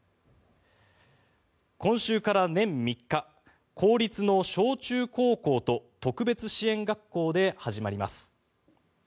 今週から、年３日公立の小中高校と特別支援学校で始まります。